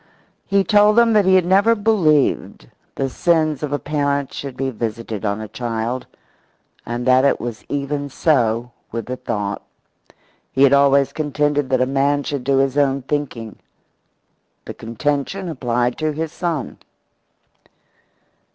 He told them that he had never believed the sins of a parent should be visited on a child, and that it was even so with the thought. He had always contended that a man should do his own thinking. The contention applied to his son.